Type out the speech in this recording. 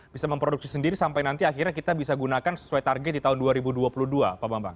bisa memproduksi sendiri sampai nanti akhirnya kita bisa gunakan sesuai target di tahun dua ribu dua puluh dua pak bambang